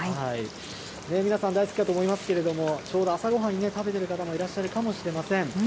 皆さん大好きかと思いますけれども、ちょうど、朝ご飯に食べている方もいらっしゃるかもしれません。